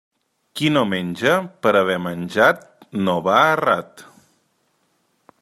Qui no menja per haver menjat, no va errat.